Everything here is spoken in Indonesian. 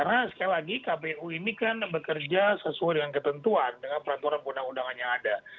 karena sekali lagi kpu ini kan bekerja sesuai dengan ketentuan dengan peraturan undang undangannya ada